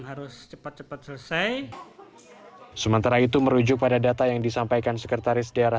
hai sementara itu merujuk pada data yang disampaikan sekretaris diara